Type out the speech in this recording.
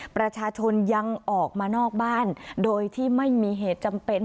ประชาชนยังออกมานอกบ้านโดยที่ไม่มีเหตุจำเป็น